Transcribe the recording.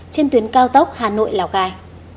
trên tuyến cao tốc hà nội lào cài